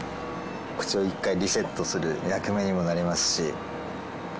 口を一回リセットする役目にもなりますし。